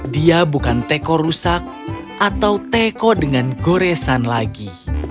dia bukan teko rusak atau teko dengan goresan lagi